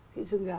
cái xương gà